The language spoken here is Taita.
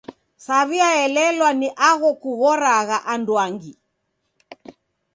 Saw'iaelelwa ni agho kughoragha anduangi.